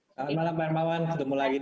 selamat malam pak hermawan ketemu lagi disini